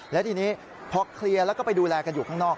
แล้วทีนี้พอเคลียร์แล้วก็ไปดูแลกันอยู่ข้างนอก